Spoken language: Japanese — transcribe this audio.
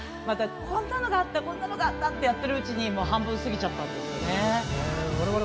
また、こんなのがあったってやっているうちにもう半分、過ぎちゃったんですね。